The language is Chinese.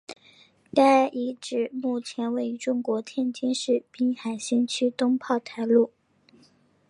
该遗址目前位于中国天津市滨海新区东炮台路。